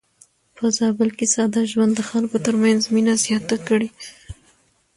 په زابل کې ساده ژوند د خلکو ترمنځ مينه زياته کړې.